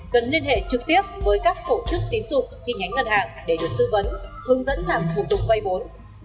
cần liên hệ trực tiếp với các tổ chức tín dụng chi nhánh ngân hàng để được tư vấn hướng dẫn làm thủ tục vay vốn